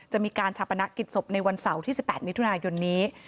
จะมีการชาปนกิจศพในวันเสาร์ที่๑๘มิถุนายนนี้